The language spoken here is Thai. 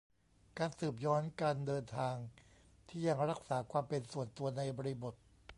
การสืบย้อนการเดินทางที่ยังรักษาความเป็นส่วนตัว ในบริบท